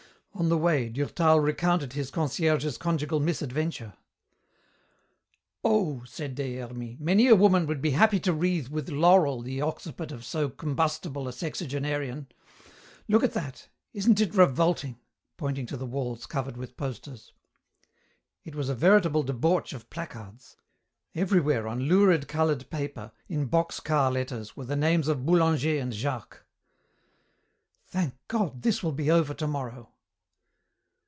On the way Durtal recounted his concierge's conjugal misadventure. "Oh!" said Des Hermies, "many a woman would be happy to wreathe with laurel the occiput of so combustible a sexagenarian. Look at that! Isn't it revolting?" pointing to the walls covered with posters. It was a veritable debauch of placards. Everywhere on lurid coloured paper in box car letters were the names of Boulanger and Jacques. "Thank God, this will be over tomorrow."